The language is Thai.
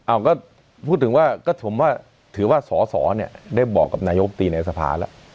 ก็พูดถึงว่าก็ผมว่าถือว่าสอสอเนี่ยได้บอกกับนายกตรีในสภาแล้ว